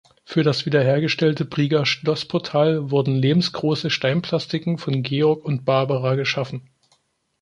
Für das wiederhergestellte Brieger Schlossportal wurden lebensgroße Steinplastiken von Georg und Barbara geschaffen.